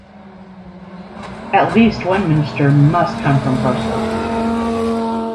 At least one minister must come from Brussels.